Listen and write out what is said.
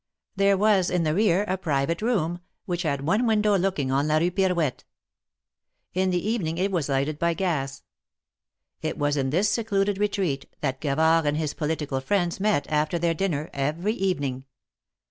There was in the rear a private room, which had one window looking on la Hue Pirouette. In the evening it was lighted by gas. It was in this secluded retreat, that Gavard and his political friends met, after their dinner, every evening.